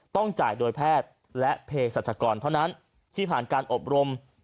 ต้องจ่ายโดยแพทย์และเพศรัชกรเท่านั้นที่ผ่านการอบรม